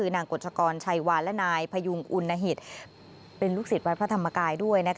นางกฎชกรชัยวานและนายพยุงอุณหิตเป็นลูกศิษย์วัดพระธรรมกายด้วย